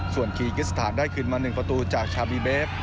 ส่วนคีกิสถานได้คืนมา๑ประตูจากชาบีเบฟ